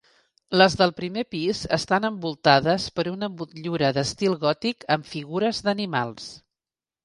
Les del primer pis estan envoltades per una motllura d'estil gòtic amb figures d'animals.